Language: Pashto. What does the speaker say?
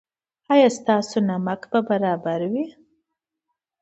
ایا ستاسو نمک به برابر وي؟